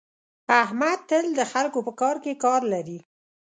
احمد تل د خلکو په کار کې کار لري.